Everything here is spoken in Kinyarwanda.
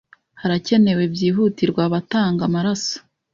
Harakenewe byihutirwa abatanga amaraso.